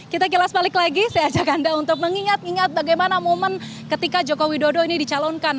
kita kilas balik lagi saya ajak anda untuk mengingat ingat bagaimana momen ketika joko widodo ini dicalonkan